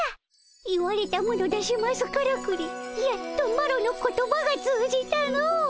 言われたもの出しますからくりやっとマロの言葉が通じたの。